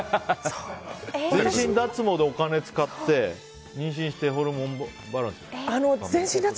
全身脱毛でお金使って妊娠してホルモンバランス。